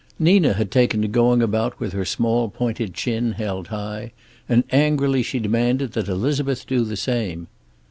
Nina had taken to going about with her small pointed chin held high, and angrily she demanded that Elizabeth do the same.